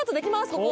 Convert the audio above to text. ここ。